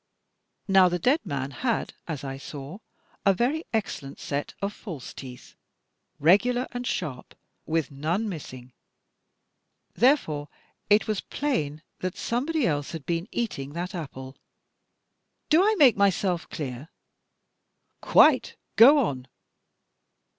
Now, the dead man had, as I saw, a very excellent set of false teeth, regular and sharp, with none missing. Therefore, it was plain that somebody else had been eating that apple. Do I make myself clear?" "Quite! Goon!"